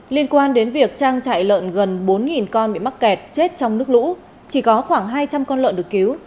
liên quan đến việc trang trại lợn gần bốn con bị mắc kẹt chết trong nước lũ chỉ có khoảng hai trăm linh con lợn được cứu